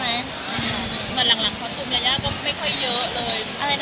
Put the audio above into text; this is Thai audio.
หลังคอสตูมละยะก็ไม่ค่อยเยอะเลย